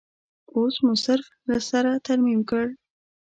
اوس مو صرف له سره ترمیم کړ.